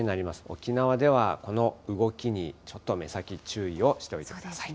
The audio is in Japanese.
沖縄ではこの動きにちょっと目先、注意をしてください。